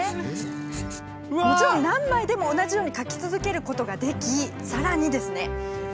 もちろん何枚でも同じように書き続けることができさらにですね